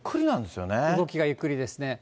動きがゆっくりですね。